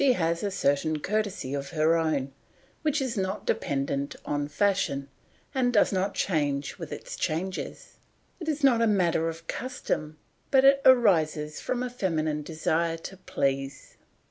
She has a certain courtesy of her own, which is not dependent on fashion, and does not change with its changes; it is not a matter of custom, but it arises from a feminine desire to please.